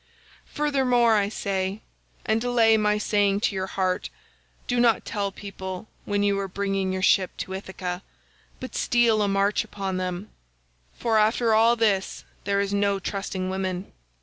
Furthermore I say—and lay my saying to your heart—do not tell people when you are bringing your ship to Ithaca, but steal a march upon them, for after all this there is no trusting women.